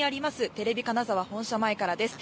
テレビ金沢本社前からです。